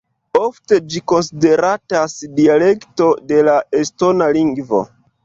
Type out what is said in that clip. Ofte ĝi konsideratas dialekto de la estona lingvo.